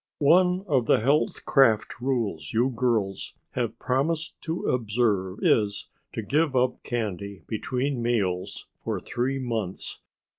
"One of the health craft rules you girls have promised to observe is to give up candy between meals for three months.